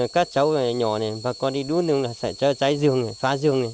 các cháu nhỏ này bà con đi đu đường là sẽ cháy rừng phá rừng